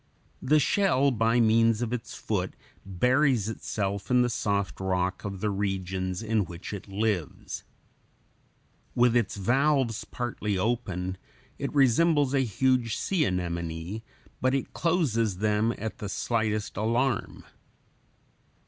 The shell, by means of its foot, buries itself in the soft rock of the regions in which it lives. With its valves partly open it resembles a huge sea anemone; but it closes them at the slightest alarm.